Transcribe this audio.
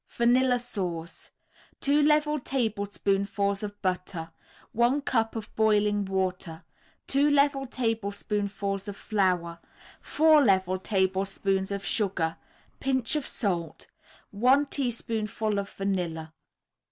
VANILLA SAUCE 2 level tablespoonfuls of butter, 1 cup of boiling water, 2 level tablespoonfuls of flour, 4 level tablespoonfuls of sugar, Pinch of salt, 1 teaspoonful of vanilla.